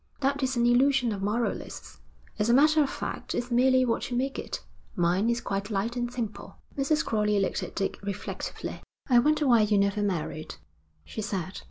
'That is an illusion of moralists. As a matter of fact, it's merely what you make it. Mine is quite light and simple.' Mrs. Crowley looked at Dick reflectively. 'I wonder why you never married,' she said.